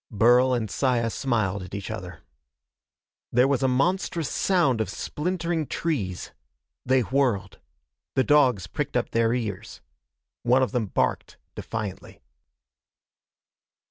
Burl and Saya smiled at each other. There was a monstrous sound of splintering trees. They whirled. The dogs pricked up their ears. One of them barked defiantly.